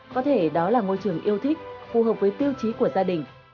có thể đó là môi trường yêu thích phù hợp với tiêu chí của gia đình